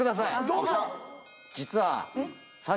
どうぞ。